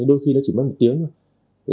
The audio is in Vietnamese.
đôi khi chỉ mất một tiếng thôi